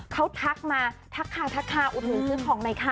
เขาทักมาทักค้าอุดหนึ่งขึ้นของในค่ะ